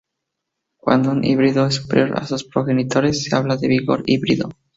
Cuando un híbrido es superior a sus progenitores se habla de "vigor híbrido".